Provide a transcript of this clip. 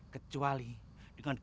kecuali dengan gajah ini